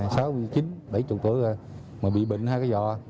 tôi hôm nay là sáu mươi chín bảy mươi tuổi rồi mà bị bệnh hai cái dò